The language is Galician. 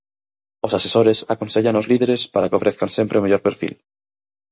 Os asesores aconsellan aos líderes para que ofrezan sempre o mellor perfil.